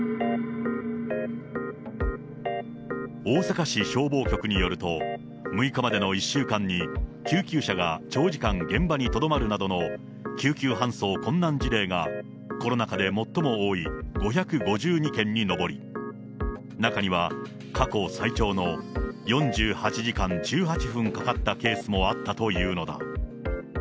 大阪市消防局によると、６日までの１週間に、救急車が長時間現場にとどまるなどの救急搬送困難事例がコロナ禍で最も多い５５２件に上り、中には過去最長の４８時間１８分かかったケースもあったというのだ。